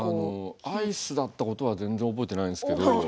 アイスだったことは全然覚えてないんですけど。